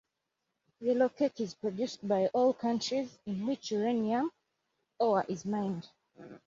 Yellowcake is produced by all countries in which uranium ore is mined.